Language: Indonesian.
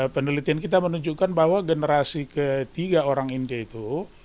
penelitian kita menunjukkan bahwa generasi ketiga orang india itu